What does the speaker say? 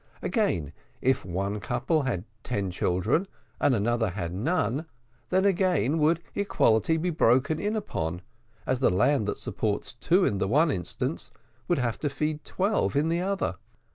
Again, if one couple had ten children, and another had none, then again would equality be broken in upon, as the land that supports two in the one instance, would have to feed twelve in the other.